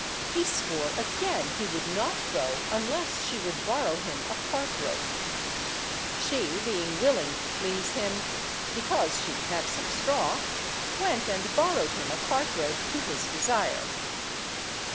He swore again he would not go unless she would borrow him a cart–rope. She, being willing to please him, because she would have some straw, went and borrowed him a cart–rope to his desire.